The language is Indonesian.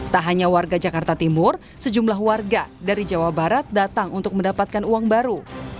tak hanya warga jakarta timur sejumlah warga dari jawa barat datang untuk mendapatkan uang baru